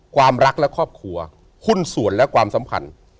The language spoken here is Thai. ความรักและครอบครัวหุ้นส่วนและความสัมพันธ์